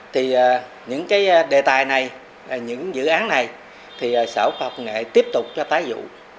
thì những cái đề tài này những dự án này thì sở khoa học và công nghệ tiếp tục cho tái dụ